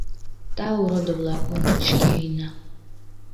Тау, родо-влак, ончыч шке йӱына!